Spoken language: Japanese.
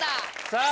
さあ